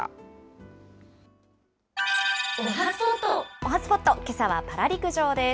おはＳＰＯＴ、けさはパラ陸上です。